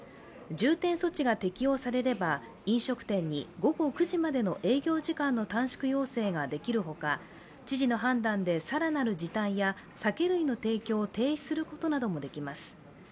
重点措置が適用されれば飲食店に午後９時までの営業時間の短縮要請ができるほか知事の判断で更なる時短や酒類の提供を停止することもできます。